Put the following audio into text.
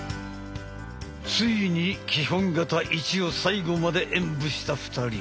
ついに「基本形１」を最後まで演武した２人。